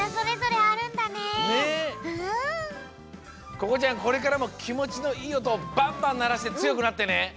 ここちゃんこれからもきもちのいいおとをバンバンならしてつよくなってね。